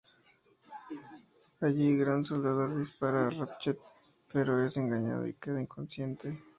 Allí, Gran Soldador dispara a Ratchet, pero es engañado y queda inconsciente.